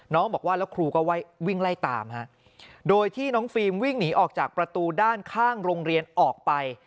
น้องบอกว่าแล้วครูก็วิ่งไล่ตามฮะโดยที่น้องฟิล์มวิ่งหนีออกจากประตูด้านข้างโรงเรียนออกไป